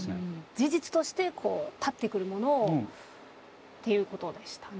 事実としてこう立ってくるものをっていうことでしたね。